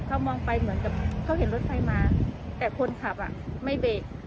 เขามองไปเหมือนกับเขาเห็นรถไฟมาแต่คนขับอ่ะไม่เบรก